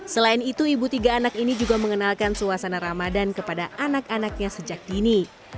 selain itu ibu tiga anak ini juga mengenalkan suasana ramadan kepada anak anaknya sejak dini